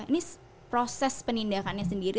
ini proses penindakannya sendiri